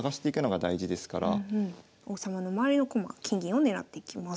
王様の周りの駒金銀を狙っていきます。